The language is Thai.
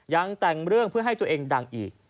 ยังแต่งเรื่องเพื่อให้ตัวเองดังอีก